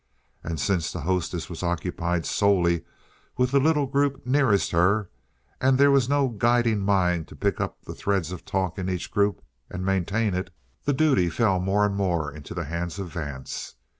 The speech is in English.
And since the hostess was occupied solely with the little group nearest her, and there was no guiding mind to pick up the threads of talk in each group and maintain it, this duty fell more and more into the hands of Vance.